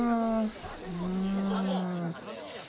うん。